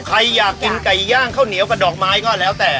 ใครอยากกินไก่ย่างข้าวเหนียวกับดอกไม้ก็แล้วแต่